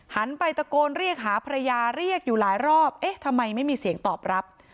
หันไปตะโกนเรียกหาภรรยาเรียกอยู่หลายรอบเอ๊ะทำไมไม่มีเสียงตอบรับ